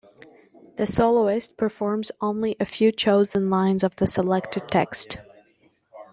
The soloist performs only a few chosen lines of the selected text.